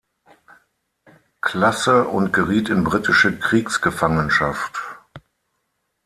Klasse und geriet in britische Kriegsgefangenschaft.